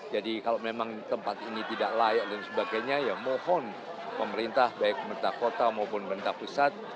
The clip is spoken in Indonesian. jadi kalau memang tempat ini tidak layak dan sebagainya ya mohon pemerintah baik mentah kota maupun mentah pusat